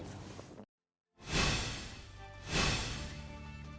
bagi bangsa kita yang begitu majemuk idul fitri tak hanya sekedar ritual